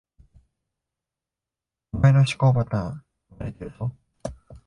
お前の思考パターン、読まれてるぞ